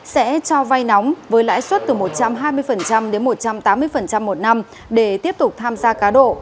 sẽ cho vay nóng với lãi suất từ một trăm hai mươi đến một trăm tám mươi một năm để tiếp tục tham gia cá độ